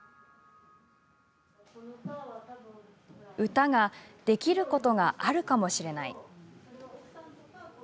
歌ができることがあるかもしれない。